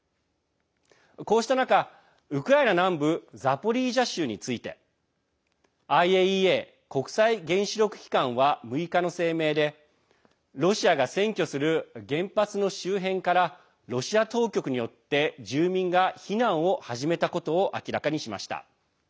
こうした中、ウクライナ南部ザポリージャ州についてＩＡＥＡ＝国際原子力機関は６日の声明でロシアが占拠する原発の周辺からロシア当局によって住民が避難を始めたことを明らかにしました。